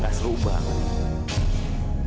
gak seru banget